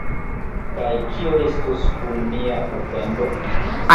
Kaj kio estos kun mia ofendo?